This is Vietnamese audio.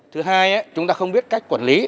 thứ hai chúng ta không biết cách quản lý